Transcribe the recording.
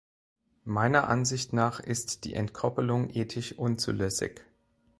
Meiner Ansicht nach ist die Entkopplung ethisch unzulässig.